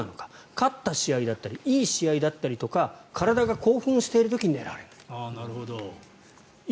勝った試合だったりいい試合だったりとか体が興奮をしている時に寝られない。